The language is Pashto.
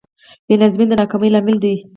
بېنظمي د ناکامۍ لامل دی.